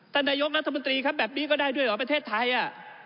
ท่านนายกรัฐมนตรีครับแบบนี้ก็ได้ด้วยเหรอประเทศไทยอ่ะ